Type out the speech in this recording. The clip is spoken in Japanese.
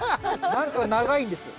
何か長いんですよ。